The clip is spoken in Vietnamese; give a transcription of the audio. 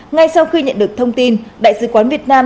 ngay sau khi nhận được thông tin đại sứ quán việt nam